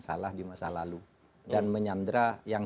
salah di masa lalu dan menyandra yang